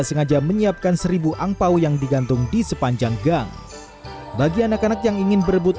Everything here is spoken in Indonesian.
sengaja menyiapkan seribu angpao yang digantung di sepanjang gang bagi anak anak yang ingin berebut